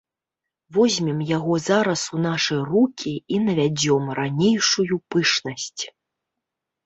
Возьмем яго зараз у нашы рукі і навядзём ранейшую пышнасць.